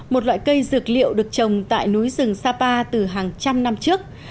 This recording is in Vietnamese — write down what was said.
một loại cây dược liệu được trồng tại núi rừng sapa từ hàng trăm năm trước